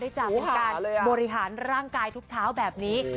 จากการบริหารร่างกายทุกเช้าแบบนี้